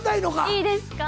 いいですか？